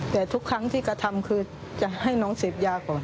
แต่ทุกครั้งที่กระทำคือจะให้น้องเสพยาก่อน